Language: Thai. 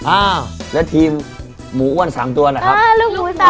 อ้าวแล้วทีมหมูอ้วน๓ตัวนะครับ